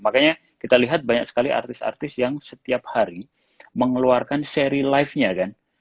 makanya kita lihat banyak sekali artis artis yang setiap hari mengeluarkan seri live nya kan